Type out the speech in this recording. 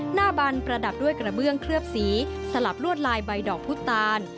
บันประดับด้วยกระเบื้องเคลือบสีสลับลวดลายใบดอกพุทธตาล